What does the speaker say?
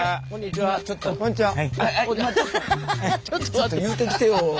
ちょっと言うてきてよ。